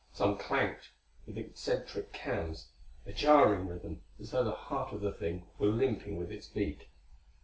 Some clanked with eccentric cams a jarring rhythm as though the heart of the thing were limping with its beat.